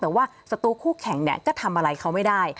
แต่ว่าสตูคู่แข่งเนี่ยก็ทำอะไรเขาไม่ได้